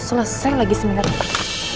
yaudah kalau gitu selamat malam